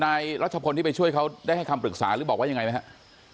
รัชพลที่ไปช่วยเขาได้ให้คำปรึกษาหรือบอกว่ายังไงไหมครับ